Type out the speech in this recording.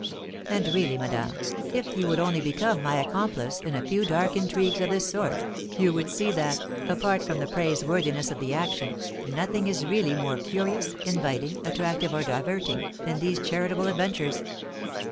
And, really, madame, if you would only become my accomplice in a few dark intrigues of this sort, you would see that, apart from the praiseworthiness of the action, nothing is really more curious, inviting, attractive, or diverting, than these charitable adventures.